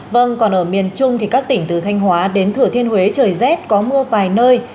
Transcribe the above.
vâng còn ở miền trung thì các tỉnh từ thanh hóa đến thừa thiên huế trời rét có mưa vài nơi